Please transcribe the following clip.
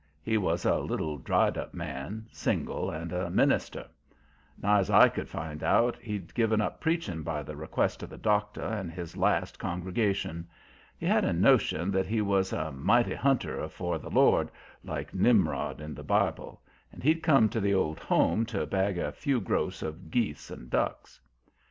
He was a little, dried up man, single, and a minister. Nigh's I could find out, he'd given up preaching by the request of the doctor and his last congregation. He had a notion that he was a mighty hunter afore the Lord, like Nimrod in the Bible, and he'd come to the Old Home to bag a few gross of geese and ducks.